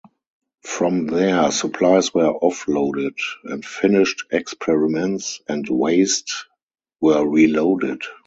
From there, supplies were offloaded, and finished experiments and waste were reloaded.